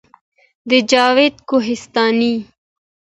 د جاوید کوهستاني